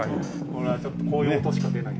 これはちょっとこういう音しか出ない。